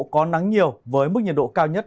có nắng nhiều với mức nhiệt độ cao nhất